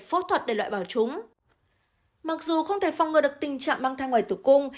phẫu thuật để loại bảo chúng mặc dù không thể phòng ngừa được tình trạng mang thai ngoài tử cung